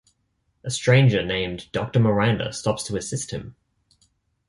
A stranger named Doctor Miranda stops to assist him.